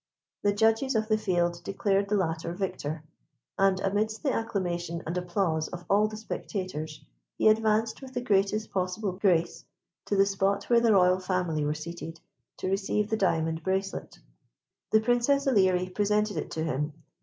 The judges of the field declared the latter victor; and, amidst the acclamation and applause of all the spectators, he advanced with the greatest possible grace to the spot where the Royal Family were seated, to receive the diamond bracelet. The Princess Ilerie presented it to him.